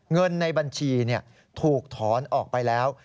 เงินในบัญชีถูกถอนออกไปแล้ว